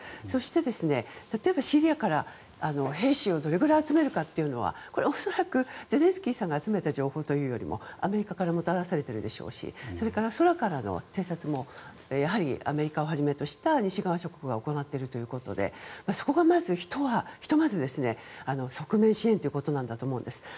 そして、例えばシリアから兵士をどれぐらい集めるかというのはこれは恐らくゼレンスキーさんが集めた情報というよりもアメリカからもたらされているでしょうしそれから、空からの偵察もアメリカをはじめとした西側諸国が行っているということでそこがまずひとまず側面支援ということだと思うんです。